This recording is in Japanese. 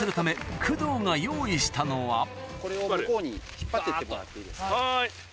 これを向こうに引っ張ってってもらっていいですか。